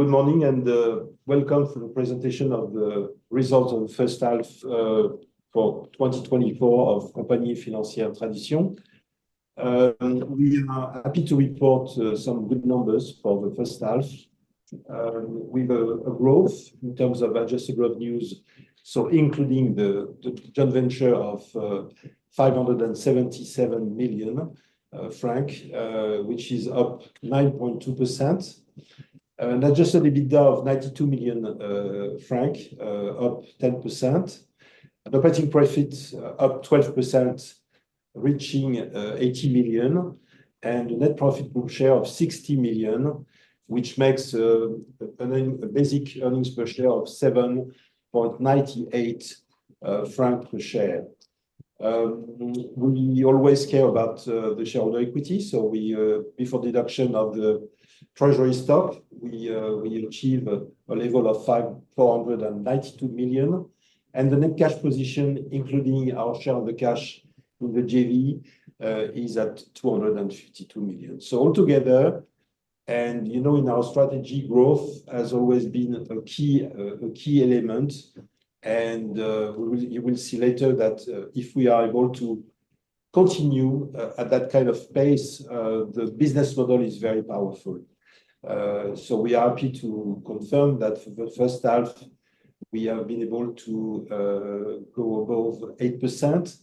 Good morning, and welcome to the presentation of the results of the first half for 2024 of Compagnie Financière Tradition. We are happy to report some good numbers for the first half with a growth in terms of adjusted revenues, so including the joint venture of 577 million francs, which is up 9.2%. Adjusted EBITDA of CHF 92 million, up 10%. The operating profits up 12%, reaching 80 million, and net profit per share of 60 million, which makes a basic earnings per share of 7.98 francs per share. We always care about the shareholder equity, so we before deduction of the treasury stock, we achieve a level of 492 million. The net cash position, including our share of the cash with the JV, is at 252 million. So all together, and, you know, in our strategy, growth has always been a key element, and we will you will see later that if we are able to continue at that kind of pace the business model is very powerful. So we are happy to confirm that for the first half, we have been able to go above 8%,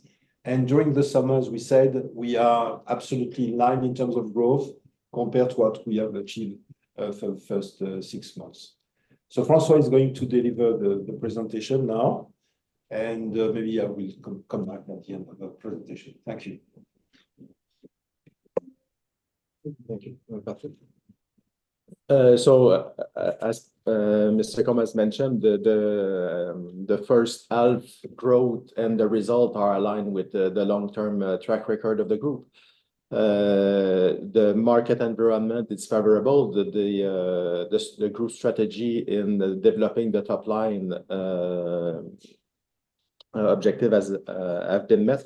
and during the summer, as we said, we are absolutely in line in terms of growth compared to what we have achieved for the first six months. So François is going to deliver the presentation now, and maybe I will come back at the end of the presentation. Thank you. Thank you, Patrick. As Mr. Combes has mentioned, the first half growth and the result are aligned with the long-term track record of the group. The market environment is favorable. The group strategy in developing the top line objective has been met,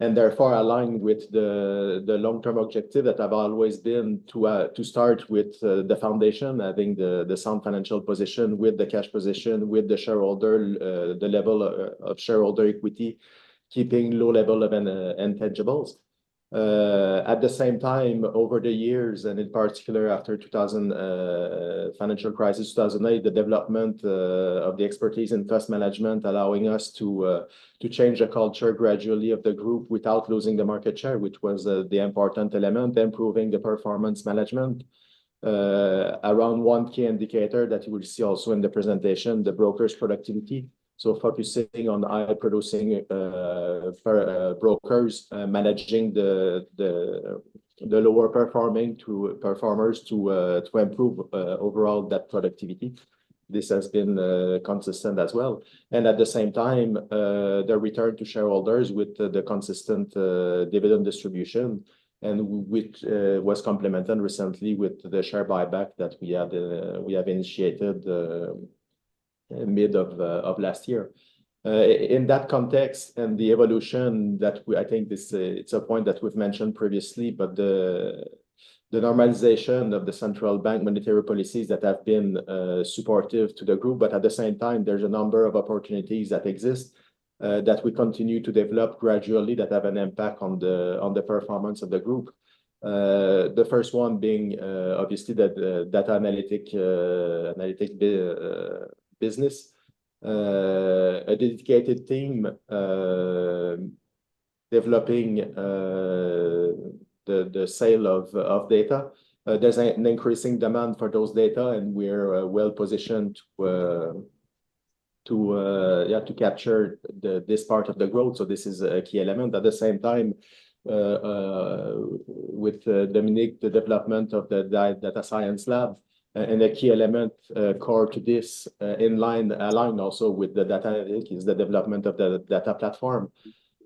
and therefore aligned with the long-term objective that have always been to start with the foundation, having the sound financial position with the cash position, with the level of shareholder equity, keeping low level of intangibles. At the same time, over the years, and in particular after the 2008 financial crisis, the development of the expertise in trust management, allowing us to change the culture gradually of the group without losing the market share, which was the important element, improving the performance management. Around one key indicator that you will see also in the presentation, the brokers' productivity. So focusing on high-producing brokers, managing the lower performing performers to improve overall that productivity. This has been consistent as well, and at the same time, the return to shareholders with the consistent dividend distribution, and which was complemented recently with the share buyback that we have initiated mid of last year. In that context and the evolution that we... I think this, it's a point that we've mentioned previously, but the normalization of the central bank monetary policies that have been supportive to the group, but at the same time, there's a number of opportunities that exist that we continue to develop gradually, that have an impact on the performance of the group. The first one being, obviously, the data analytics business. A dedicated team developing the sale of data. There's an increasing demand for those data, and we're well positioned to capture this part of the growth, so this is a key element. At the same time, with Dominique, the development of the Data Science Lab, and a key element core to this, in line aligned also with the data analytics, is the development of the data platform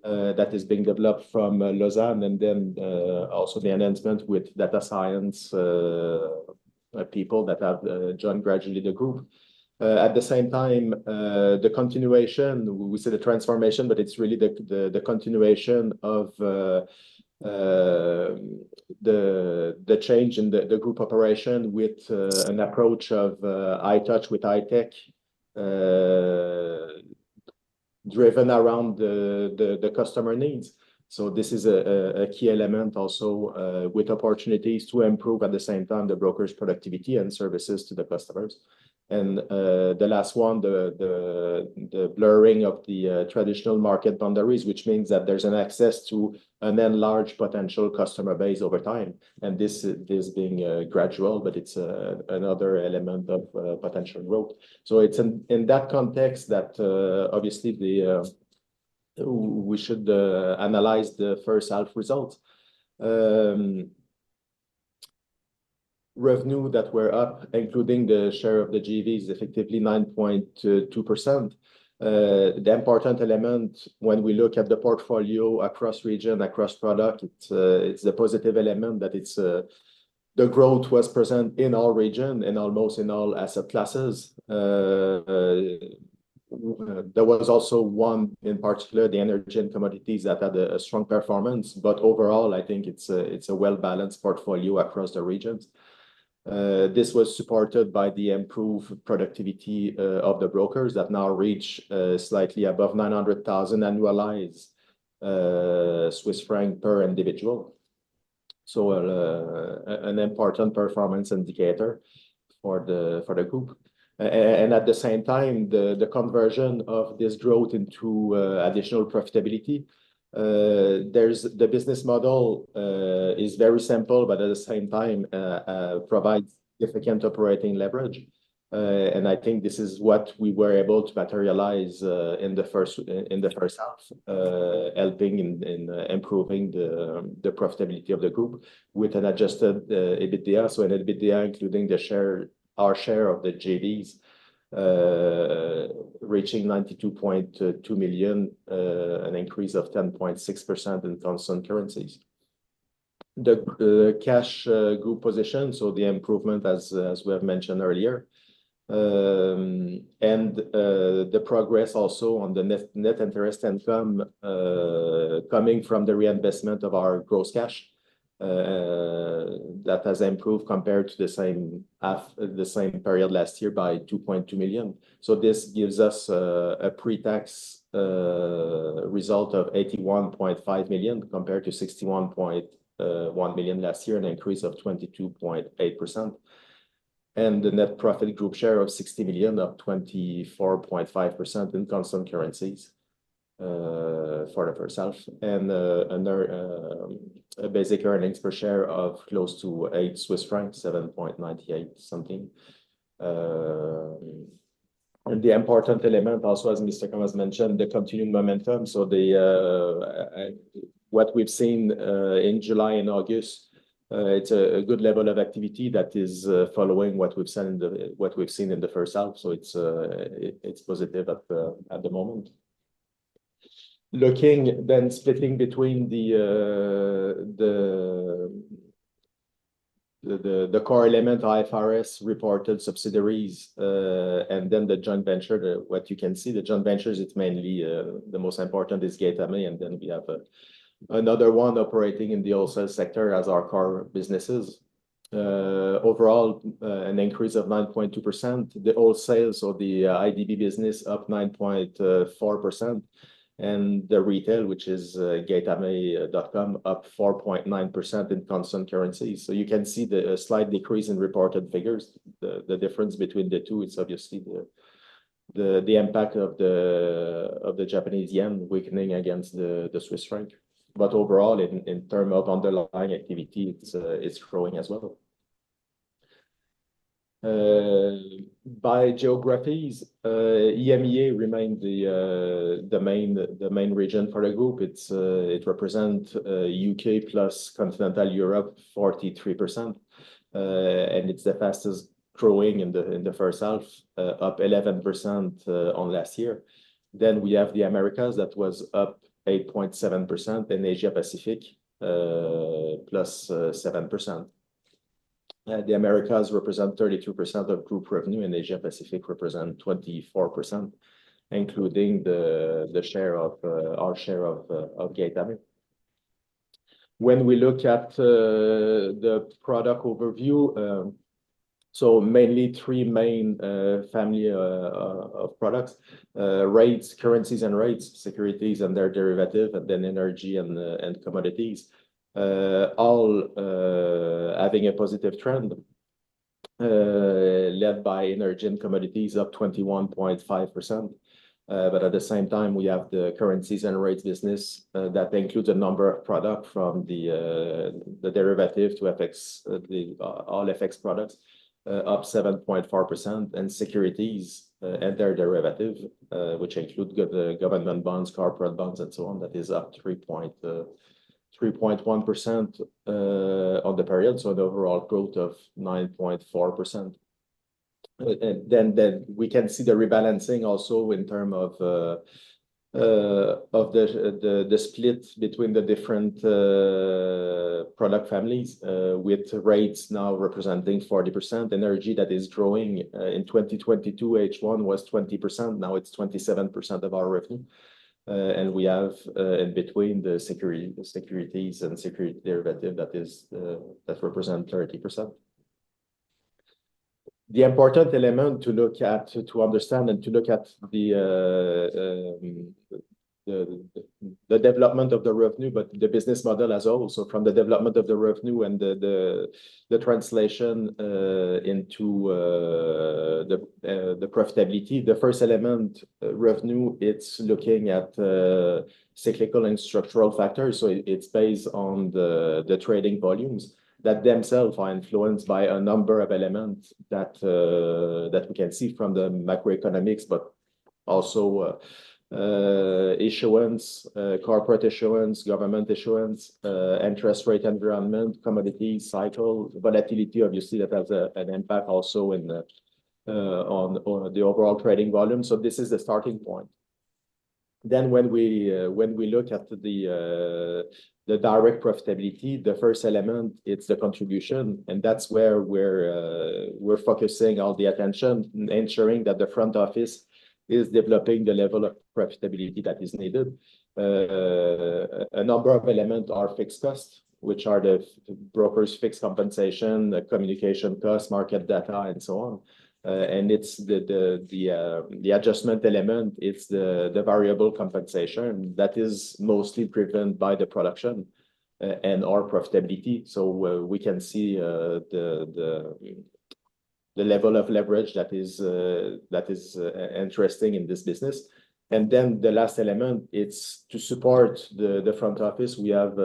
that is being developed from Lausanne, and then also the enhancement with data science people that have joined gradually the group. At the same time, the continuation, we say the transformation, but it's really the continuation of the change in the group operation with an approach of high-touch with high-tech, driven around the customer needs. So this is a key element also, with opportunities to improve at the same time, the brokers' productivity and services to the customers. The last one, the blurring of the traditional market boundaries, which means that there's an access to an enlarged potential customer base over time, and this being gradual, but it's another element of potential growth. It's in that context that obviously we should analyze the first half results. Revenue that we're up, including the share of the JV, is effectively 9.2%. The important element when we look at the portfolio across regions, across products, it's a positive element that the growth was present in all regions and almost in all asset classes. There was also one in particular, the Energy and Commodities, that had a strong performance. But overall, I think it's a well-balanced portfolio across the regions. This was supported by the improved productivity of the brokers that now reach slightly above 900,000 annualized Swiss Franc per individual. So, an important performance indicator for the group. And at the same time, the conversion of this growth into additional profitability. The business model is very simple, but at the same time, provides significant operating leverage. And I think this is what we were able to materialize in the first half, helping in improving the profitability of the group with an adjusted EBITDA. So an EBITDA, including the share, our share of the JVs, reaching 92.2 million, an increase of 10.6% in constant currencies. The cash group position, so the improvement as we have mentioned earlier. And the progress also on the net interest income coming from the reinvestment of our gross cash that has improved compared to the same period last year by 2.2 million. So this gives us a pre-tax result of 81.5 million, compared to 61.1 million last year, an increase of 22.8%. And the net profit group share of 60 million, up 24.5% in constant currencies for the first half. And under basic earnings per share of close to 8 Swiss francs, 7.98 something. And the important element also, as Mr. Combes mentioned, the continuing momentum. What we've seen in July and August, it's a good level of activity that is following what we've seen in the first half. It's positive at the moment. Looking then splitting between the core element, IFRS, reported subsidiaries, and then the joint venture. What you can see, the joint ventures, it's mainly the most important is Gaitame.com, and then we have another one operating in the wholesale sector as our core businesses. Overall, an increase of 9.2%. The wholesale or the IDB business up 9.4%, and the retail, which is Gaitame.com, up 4.9% in constant currency. So you can see a slight decrease in reported figures. The difference between the two is obviously the impact of the Japanese Yen weakening against the Swiss Franc. But overall, in terms of underlying activity, it's growing as well. By geographies, EMEA remained the main region for the group. It represents U.K. plus Continental Europe, 43%. And it's the fastest growing in the first half, up 11% on last year. Then we have the Americas, that was up 8.7%, and Asia Pacific, +7%. The Americas represent 32% of group revenue, and Asia Pacific represent 24%, including our share of Gaitame. When we look at the product overview, so mainly three main family of products: rates, currencies and rates, securities and their derivative, and then energy and commodities. All having a positive trend, led by energy and commodities, up 21.5%. But at the same time, we have the currencies and rates business that includes a number of product from the the derivative to FX the all FX products up 7.4%, and securities and their derivative which include go- the government bonds, corporate bonds, and so on. That is up 3.1% on the period, so an overall growth of 9.4%. Then we can see the rebalancing also in terms of the split between the different product families with rates now representing 40%. Energy that is growing in 2022 H1 was 20% now it's 27% of our revenue. And we have in between the securities and securities derivatives that represent 30%. The important element to look at to understand and to look at the development of the revenue but the business model as a whole. From the development of the revenue and the translation into the profitability. The first element revenue it's looking at cyclical and structural factors. It's based on the trading volumes that themselves are influenced by a number of elements that we can see from the macroeconomics, but also issuance, corporate issuance, government issuance, interest rate environment, commodity cycle. Volatility, obviously, that has an impact also on the overall trading volume. So this is the starting point. Then when we look at the direct profitability, the first element, it's the contribution, and that's where we're focusing all the attention, ensuring that the front office is developing the level of profitability that is needed. A number of elements are fixed costs, which are the brokers' fixed compensation, the communication costs, market data, and so on. It's the adjustment element, it's the variable compensation that is mostly driven by the production and our profitability. So we can see the level of leverage that is interesting in this business. And then the last element, it's to support the front office. We have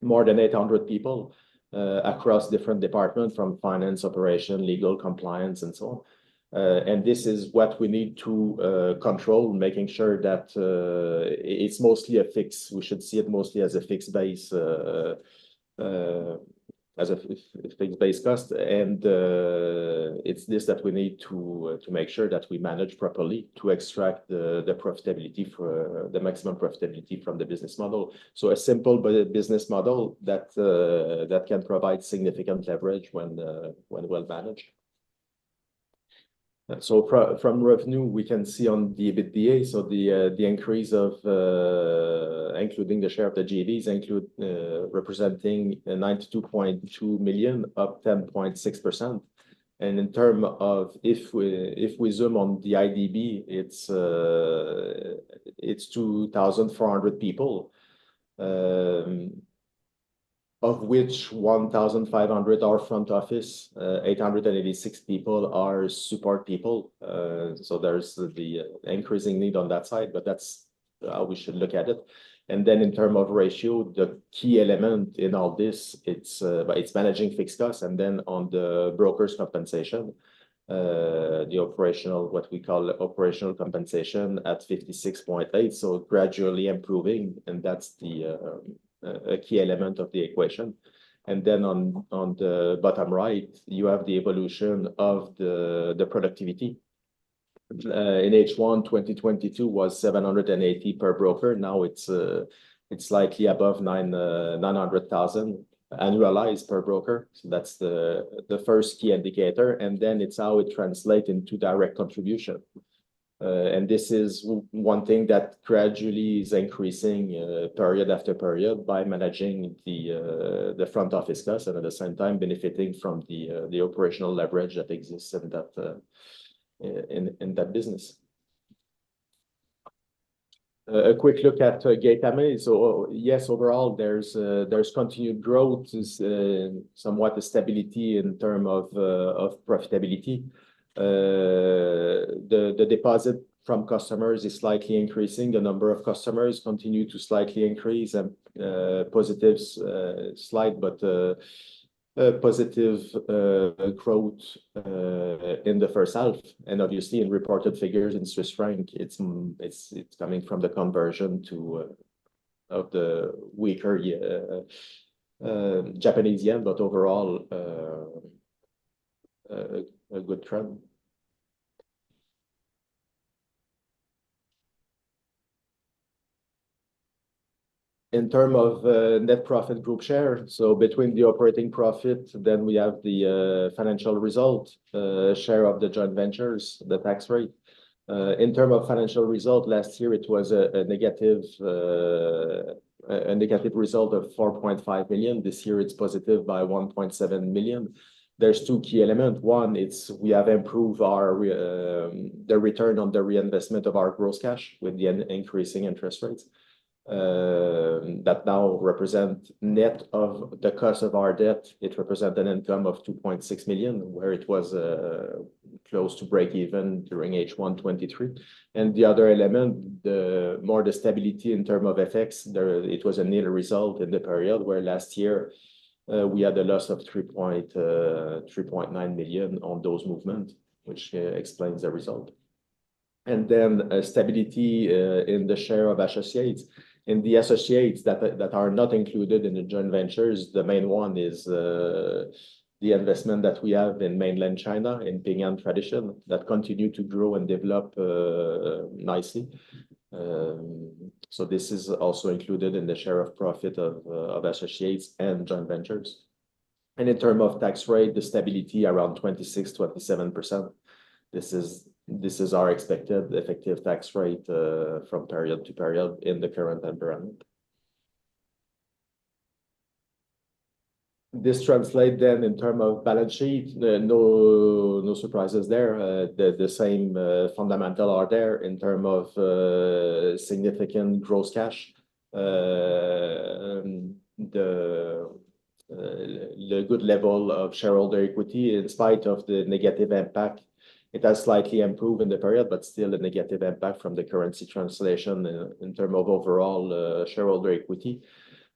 more than eight hundred people across different departments, from finance, operation, legal, compliance, and so on. And this is what we need to control, making sure that it's mostly a fixed base. We should see it mostly as a fixed base cost. And it's this that we need to make sure that we manage properly to extract the profitability for the maximum profitability from the business model. A simple but a business model that can provide significant leverage when well managed. So from revenue, we can see on the EBITDA, so the increase, including the share of the JVs representing 92.2 million, up 10.6%. And in terms of if we zoom on the IDB, it's 2,400 people, of which 1,500 are front office, 886 people are support people. So there's the increasing need on that side, but that's how we should look at it. And then in terms of ratio, the key element in all this, it's managing fixed costs. Then on the brokers' compensation, the operational, what we call operational compensation, at 56.8, so gradually improving, and that's a key element of the equation. And then on the bottom right, you have the evolution of the productivity. In H1 2022 was 780 per broker. Now it's likely above 900,000 annualized per broker. So that's the first key indicator, and then it's how it translate into direct contribution. And this is one thing that gradually is increasing, period after period by managing the front office costs, and at the same time benefiting from the operational leverage that exists in that business. A quick look at Gaitame. Yes, overall, there's continued growth, somewhat a stability in term of profitability. The deposit from customers is slightly increasing. The number of customers continue to slightly increase, and positives, slight, but a positive growth in the first half and obviously, in reported figures in Swiss Franc, it's coming from the conversion of the weaker Japanese Yen, but overall a good trend. In term of net profit group share, so between the operating profit, then we have the financial result, share of the joint ventures, the tax rate. In term of financial result, last year it was a negative result of 4.5 billion. This year, it's positive by 1.7 million. There's two key elements. One, it's we have improved our return on the reinvestment of our gross cash with the increasing interest rates, that now represent net of the cost of our debt. It represent an income of 2.6 million, where it was close to breakeven during H1 2023. And the other element, the more the stability in term of FX, there it was a near result in the period, where last year we had a loss of three point three point nine million on those movement, which explains the result. And then stability in the share of associates. In the associates that are that are not included in the joint ventures, the main one is the investment that we have in mainland China, in Ping An Tradition, that continue to grow and develop nicely. This is also included in the share of profit of associates and joint ventures. And in terms of tax rate, the stability around 26%-27%. This is our expected effective tax rate from period to period in the current environment. This translates then in terms of balance sheet. No surprises there. The same fundamentals are there in terms of significant gross cash. The good level of shareholder equity, in spite of the negative impact, it has slightly improved in the period, but still a negative impact from the currency translation in terms of overall shareholder equity.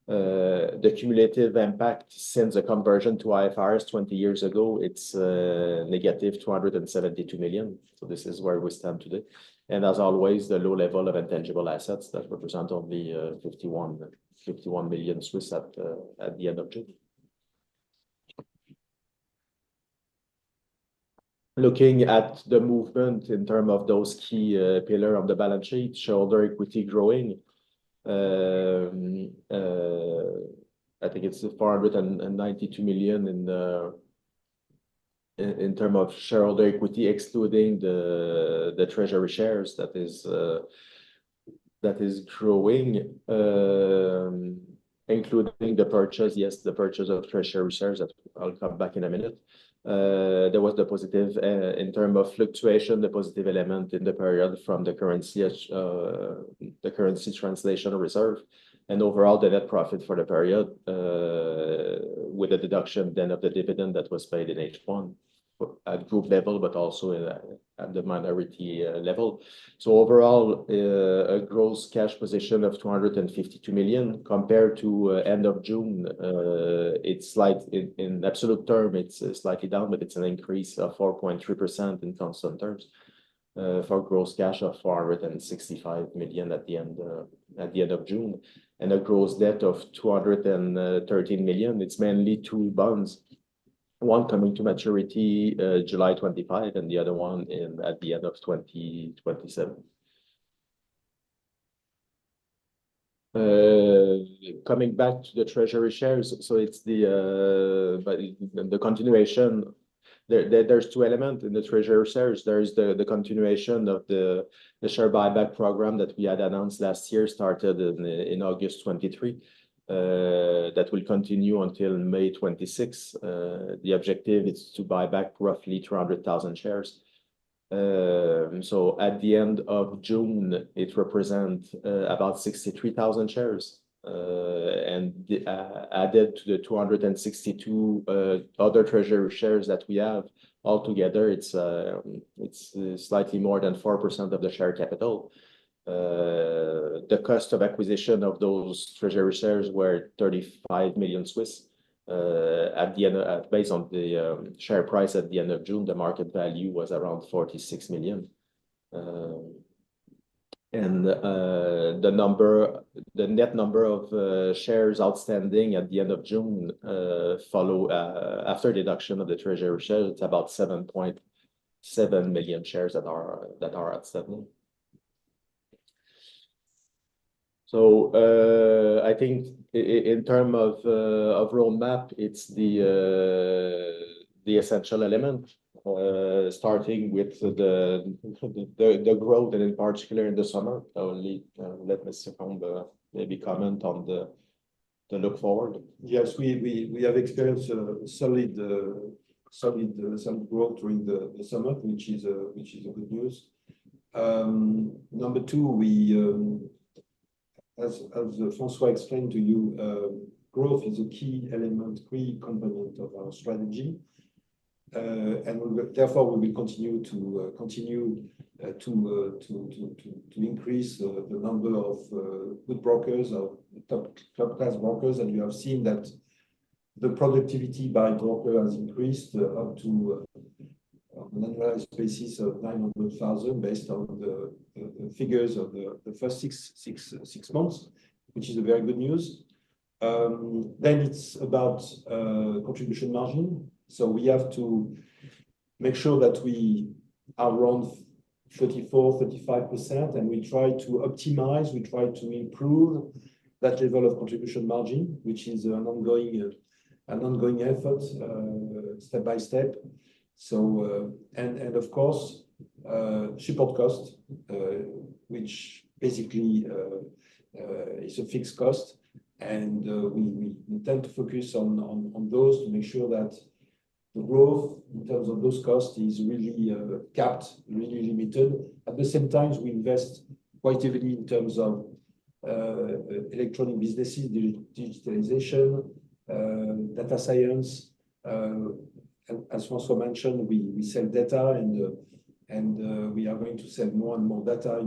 The cumulative impact since the conversion to IFRS twenty years ago, it's negative 272 million, so this is where we stand today. As always, the low level of intangible assets that represent only 51 million CHF at the end of June. Looking at the movement in term of those key pillar of the balance sheet, shareholder equity growing. I think it's 492 million in term of shareholder equity, excluding the treasury shares that is growing, including the purchase. Yes, the purchase of treasury shares that I'll come back in a minute. There was the positive in term of fluctuation, the positive element in the period from the currency as the currency translation reserve, and overall, the net profit for the period with the deduction then of the dividend that was paid in H1 at group level, but also at the minority level. Overall, a gross cash position of 252 million compared to end of June, it's slightly down in absolute terms, but it's an increase of 4.3% in constant terms, for gross cash of 465 million at the end of June, and gross debt of 213 million. It's mainly two bonds, one coming to maturity July 2025, and the other one at the end of 2027. Coming back to the treasury shares, so it's the continuation. There are two elements in the treasury shares. There is the continuation of the share buyback program that we had announced last year, started in August 2023. That will continue until May 2026. The objective is to buy back roughly 200,000 shares. At the end of June, it represent about 63,000 shares and added to the 262 other treasury shares that we have. Altogether, it's slightly more than 4% of the share capital. The cost of acquisition of those treasury shares were 35 million. Based on the share price at the end of June, the market value was around 46 million, and the net number of shares outstanding at the end of June follow after deduction of the treasury shares, it's about 7.7 million shares that are outstanding. I think in terms of roadmap, it's the essential element, starting with the growth and in particular in the Americas. Now, let Mr. Combes maybe comment on the outlook. Yes, we have experienced a solid sales growth during the summer, which is good news. Number two, as François explained to you, growth is a key element, key component of our strategy. And therefore, we will continue to increase the number of good brokers or top-class brokers. And we have seen that the productivity by broker has increased up to an annualized basis of 900,000, based on the figures of the first six months, which is very good news. It's about contribution margin. We have to make sure that we are around 34%-35%, and we try to optimize, we try to improve that level of contribution margin, which is an ongoing effort, step by step. And, of course, support cost, which basically is a fixed cost. And, we tend to focus on those to make sure that the growth in terms of those costs is really capped, really limited. At the same time, we invest quite heavily in terms of electronic businesses, digitalization, data science. As François mentioned, we sell data and we are going to sell more and more data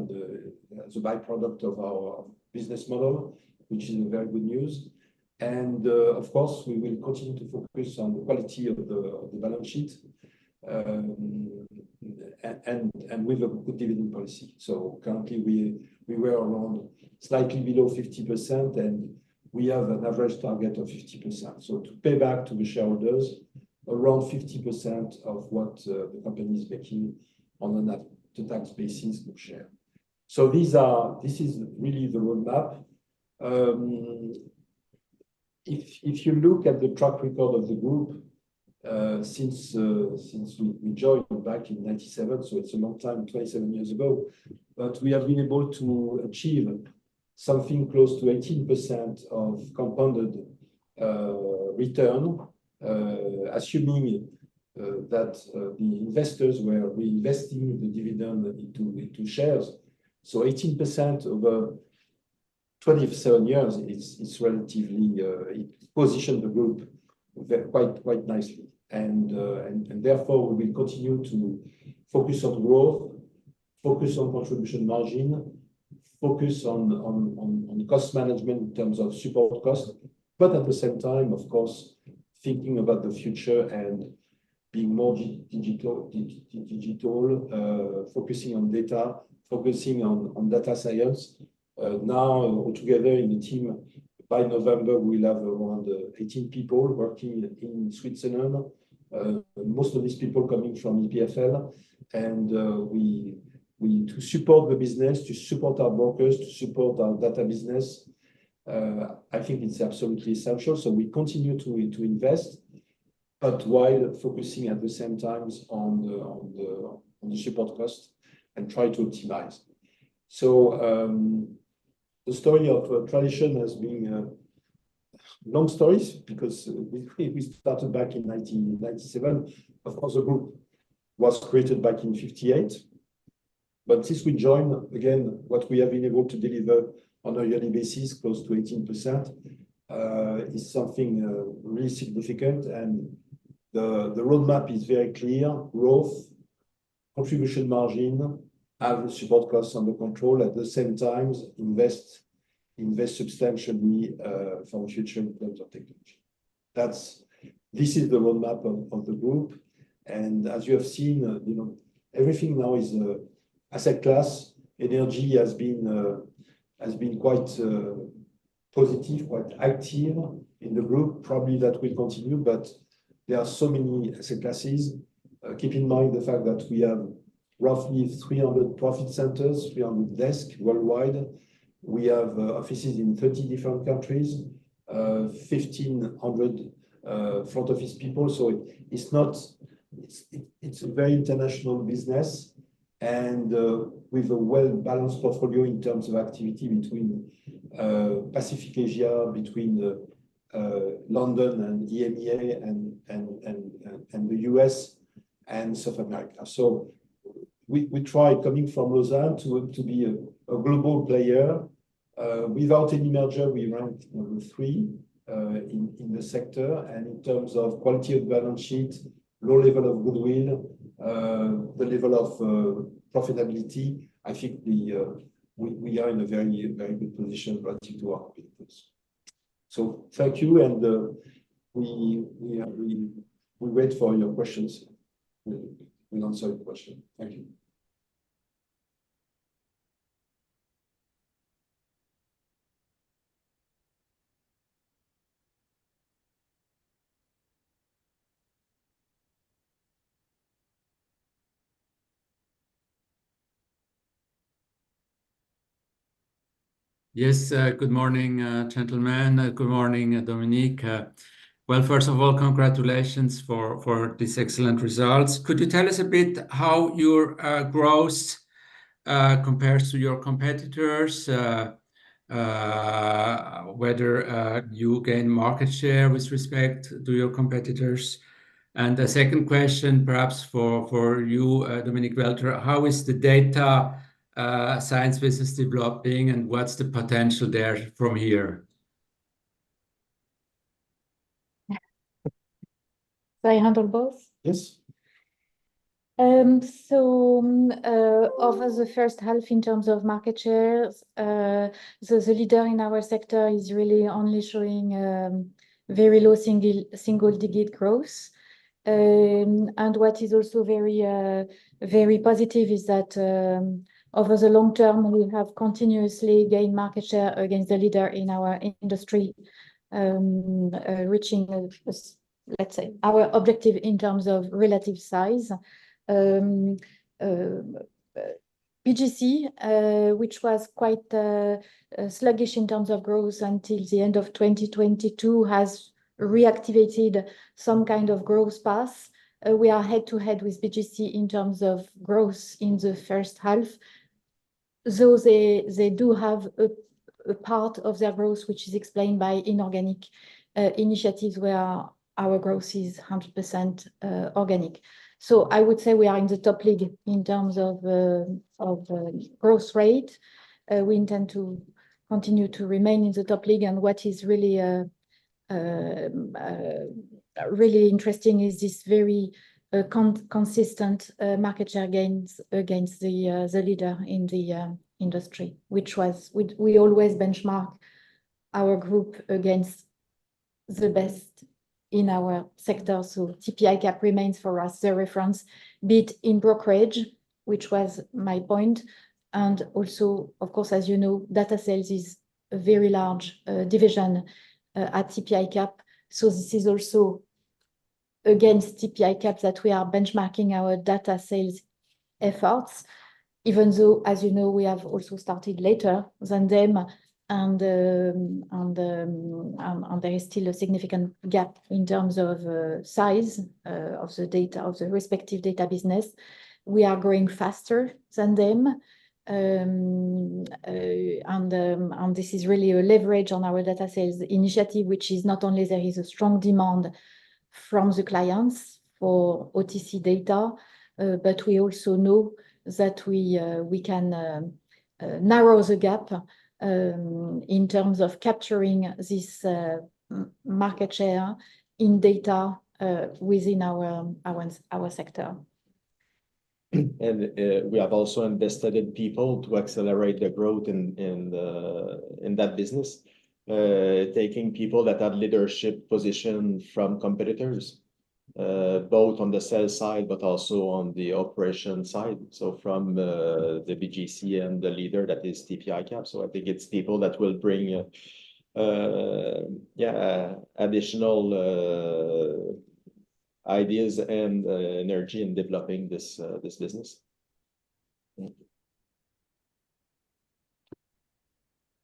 as a by-product of our business model, which is very good news. Of course, we will continue to focus on the quality of the balance sheet, and with a good dividend policy. So currently, we were around slightly below 50%, and we have an average target of 50%. So to pay back to the shareholders, around 50% of what the company is making on a net-to-tax basis per share. So these are. This is really the roadmap. If you look at the track record of the group, since we joined back in 1997, so it's a long time, 27 years ago, but we have been able to achieve something close to 18% of compounded return, assuming that the investors were reinvesting the dividend into shares. 18% over 27 years is relatively. It positioned the group quite nicely. Therefore, we will continue to focus on growth, focus on contribution margin, focus on cost management in terms of support cost, but at the same time, of course, thinking about the future and being more digital, focusing on data, focusing on data science. Now all together in the team, by November, we'll have around 18 people working in Switzerland. Most of these people coming from EPFL, and we need to support the business, to support our brokers, to support our data business. I think it's absolutely essential, so we continue to invest, but while focusing at the same time on the support cost and try to optimize. The story of Tradition has been long stories because we started back in 1997. Of course, the group was created back in 1958, but since we joined, again, what we have been able to deliver on a yearly basis, close to 18%, is something really significant. The roadmap is very clear: growth, contribution margin, have the support costs under control, at the same times, invest, invest substantially from a future point of technology. This is the roadmap of the group, and as you have seen, you know, everything now is asset class. Energy has been, has been quite positive, quite high team in the group. Probably that will continue, but there are so many asset classes. Keep in mind the fact that we have roughly 300 profit centers, 300 desks worldwide. We have offices in 30 different countries, 1,500 front office people. So it's a very international business and with a well-balanced portfolio in terms of activity between Asia Pacific, between London and EMEA, and the U.S., and South America. So we try coming from Lausanne to be a global player. Without any merger, we rank number three in the sector. And in terms of quality of balance sheet, low level of goodwill, the level of profitability, I think we are in a very, very good position relative to our competitors. So thank you, and we wait for your questions. We will answer your question. Thank you. Yes, good morning, gentlemen. Good morning, Dominique. First of all, congratulations for these excellent results. Could you tell us a bit how your growth compares to your competitors, whether you gain market share with respect to your competitors? The second question, perhaps for you, Dominique Welter, how is the data science business developing, and what's the potential there from here? May I handle both? Yes. Over the first half in terms of market shares, so the leader in our sector is really only showing very low single-digit growth. And what is also very positive is that, over the long term, we have continuously gained market share against the leader in our industry, reaching, let's say, our objective in terms of relative size. BGC, which was quite sluggish in terms of growth until the end of 2022, has reactivated some kind of growth path. We are head-to-head with BGC in terms of growth in the first half, though they do have a part of their growth, which is explained by inorganic initiatives, where our growth is 100% organic. I would say we are in the top league in terms of growth rate. We intend to continue to remain in the top league, and what is really interesting is this very consistent market share gains against the leader in the industry, which was we always benchmark our group against the best in our sector. So TP ICAP remains, for us, the reference, be it in brokerage, which was my point, and also, of course, as you know, data sales is a very large division at TP ICAP. So this is also against TP ICAP that we are benchmarking our data sales efforts, even though, as you know, we have also started later than them, and there is still a significant gap in terms of size of the data of the respective data business. We are growing faster than them, and this is really a leverage on our data sales initiative, which is not only there is a strong demand from the clients for OTC data, but we also know that we we can narrow the gap in terms of capturing this market share in data within our sector. We have also invested in people to accelerate their growth in that business, taking people that have leadership position from competitors both on the sales side, but also on the operation side, so from the BGC and the leader, that is TP ICAP. I think it's people that will bring additional ideas and energy in developing this business.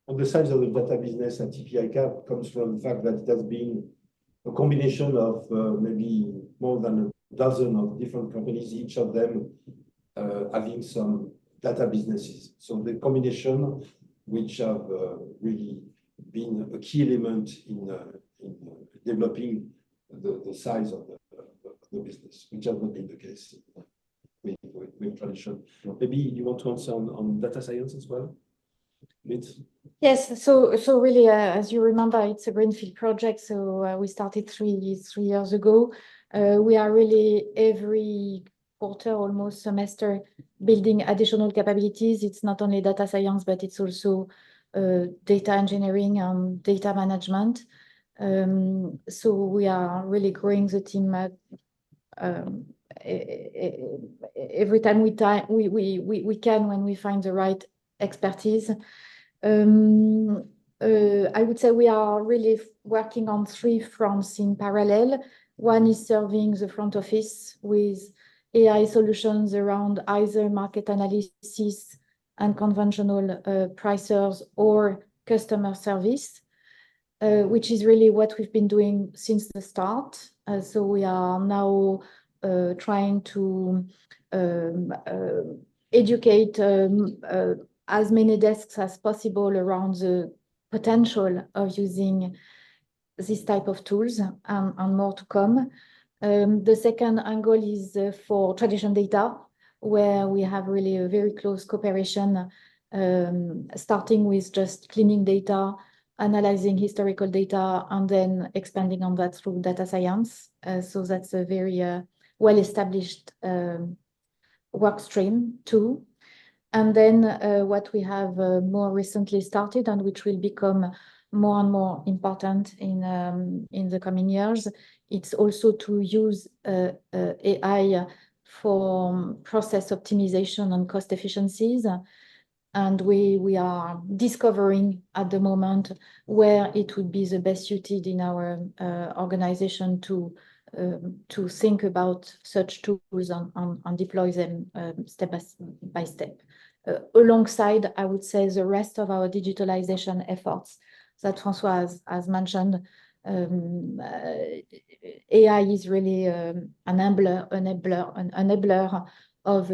On the size of the data business at TP ICAP comes from the fact that it has been a combination of, maybe more than a dozen of different companies, each of them, having some data businesses. So the combination which have really been a key element in developing the size of the business, which has not been the case with Tradition. Maybe you want to add some on data science as well, Dominique? Yes. So really, as you remember, it's a greenfield project, so we started three years ago. We are really every quarter, almost semester, building additional capabilities. It's not only data science, but it's also data engineering and data management. So we are really growing the team every time we can when we find the right expertise. I would say we are really working on three fronts in parallel. One is serving the front office with AI solutions around either market analysis and conventional prices or customer service, which is really what we've been doing since the start. So we are now trying to educate as many desks as possible around the potential of using these type of tools, and more to come. The second angle is for traditional data, where we have really a very close cooperation starting with just cleaning data, analyzing historical data, and then expanding on that through data science so that's a very well-established work stream, too and then what we have more recently started and which will become more and more important in the coming years, it's also to use AI for process optimization and cost efficiencies and we are discovering at the moment where it would be the best suited in our organization to think about such tools and deploy them step by step. Alongside, I would say, the rest of our digitalization efforts that François has mentioned, AI is really an enabler of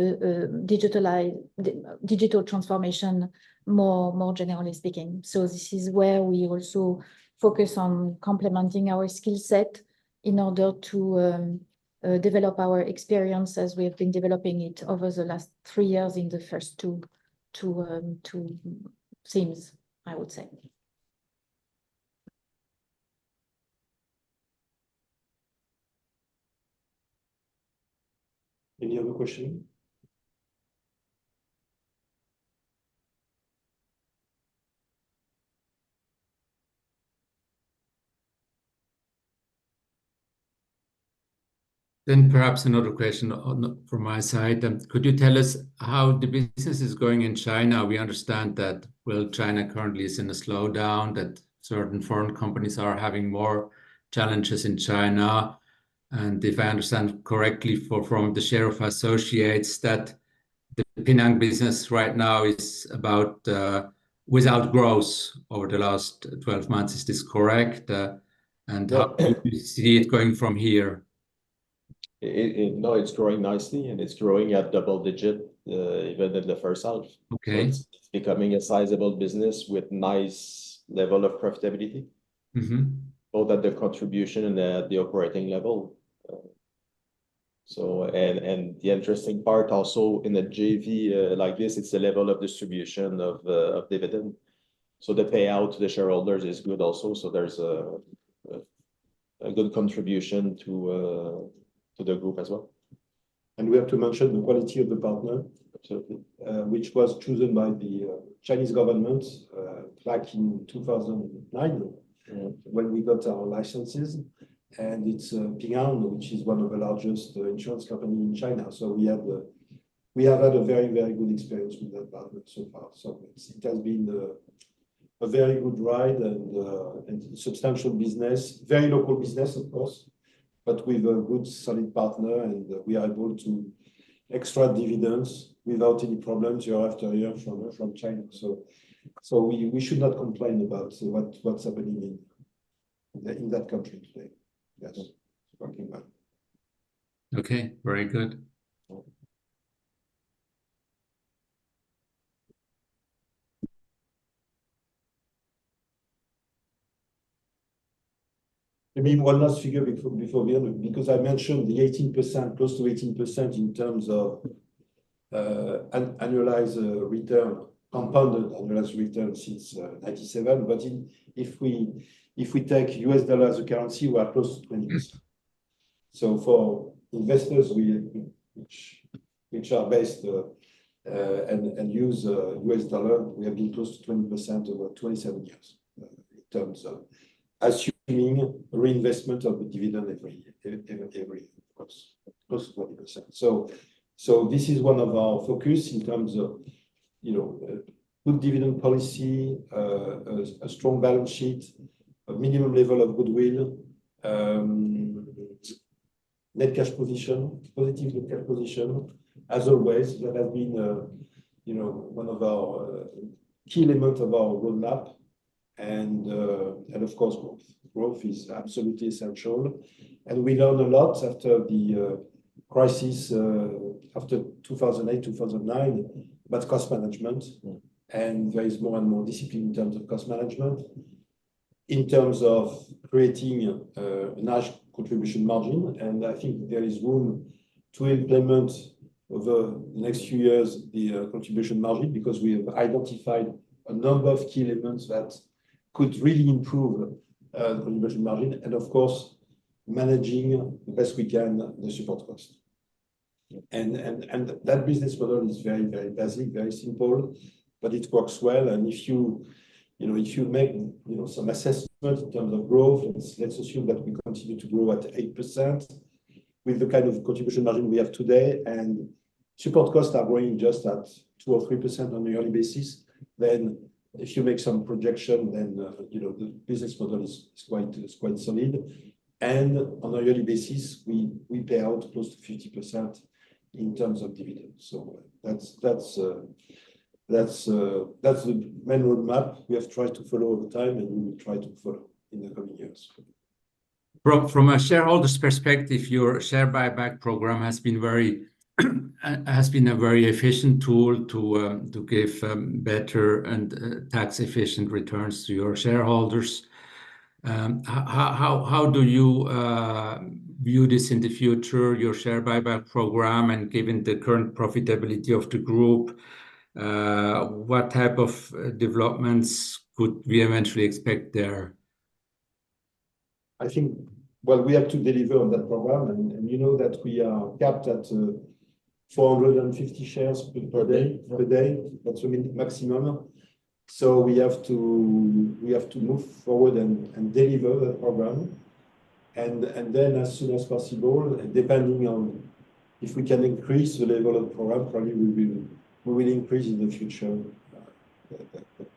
digital transformation, more generally speaking. So this is where we also focus on complementing our skill set in order to develop our experience as we have been developing it over the last three years in the first two themes, I would say. Any other question? Then perhaps another question on, from my side. Could you tell us how the business is going in China? We understand that, well, China currently is in a slowdown, that certain foreign companies are having more challenges in China. And if I understand correctly, from the share of associates, that the Ping An business right now is about, without growth over the last twelve months. Is this correct? And how do you see it going from here? No, it's growing nicely, and it's growing at double digit, even in the first half. Okay. It's becoming a sizable business with nice level of profitability. Mm-hmm. Both at the contribution and at the operating level. So, and the interesting part also in a JV, like this, it's the level of distribution of dividend. So the payout to the shareholders is good also. So there's a good contribution to the group as well. We have to mention the quality of the partner- Absolutely Which was chosen by the Chinese government back in 2009 Mm When we got our licenses, and it's Ping An, which is one of the largest insurance company in China. So we have had a very, very good experience with that partner so far. So it has been a very good ride and substantial business. Very local business, of course, but with a good, solid partner, and we are able to extract dividends without any problems year after year from China. So we should not complain about what's happening in that country today. Yes, it's working well. Okay, very good. Maybe one last figure before the end, because I mentioned the 18%, close to 18% in terms of annualized return, compounded annualized return since 1997. But if we take US dollar as a currency, we are close to 20%. So for investors which are based and use US dollar, we have been close to 20% over 27 years in terms of assuming reinvestment of the dividend every year, of course, close to 20%. So this is one of our focus in terms of, you know, good dividend policy, a strong balance sheet, a minimum level of goodwill, net cash position, positive net cash position. As always, that has been, you know, one of our key elements of our roadmap, and, and of course, growth. Growth is absolutely essential, and we learned a lot after the crisis, after two thousand and eight, two thousand and nine, about cost management. There is more and more discipline in terms of cost management, in terms of creating a nice contribution margin. And I think there is room to implement over the next few years the contribution margin, because we have identified a number of key elements that could really improve the contribution margin, and of course, managing the best we can the support cost. And that business model is very basic, very simple, but it works well. If you, you know, if you make, you know, some assessment in terms of growth, let's assume that we continue to grow at 8% with the kind of contribution margin we have today, and support costs are growing just at 2% or 3% on a yearly basis, then if you make some projection, then, you know, the business model is quite solid. And on a yearly basis, we pay out close to 50% in terms of dividends. So that's the main roadmap we have tried to follow over time, and we will try to follow in the coming years. From a shareholder's perspective, your share buyback program has been very efficient tool to give better and tax-efficient returns to your shareholders. How do you view this in the future, your share buyback program, and given the current profitability of the group, what type of developments could we eventually expect there? I think, well, we have to deliver on that program, and you know that we are capped at 450 shares per day. That's the minimum-maximum. So we have to move forward and deliver the program, and then as soon as possible, depending on if we can increase the level of program, probably we will increase in the future,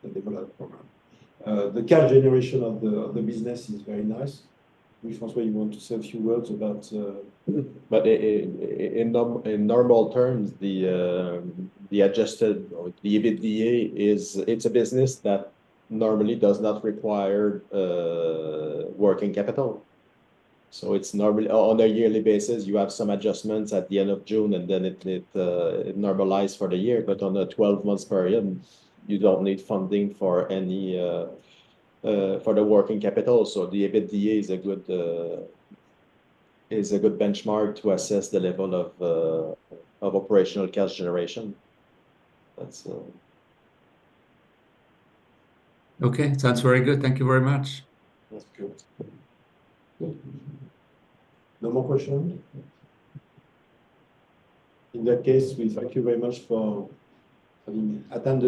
the developed program. The cash generation of the business is very nice François, you want to say a few words about? But in normal terms, the adjusted EBITDA is. It's a business that normally does not require working capital. So it's normally on a yearly basis, you have some adjustments at the end of June, and then it normalizes for the year, but on a twelve-months period, you don't need funding for any for the working capital. So the EBITDA is a good benchmark to assess the level of operational cash generation. That's Okay. Sounds very good. Thank you very much. That's good. No more question? In that case, we thank you very much for having attended-